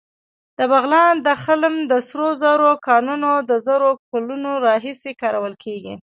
د بغلان د خلم د سرو زرو کانونه د زرو کلونو راهیسې کارول کېږي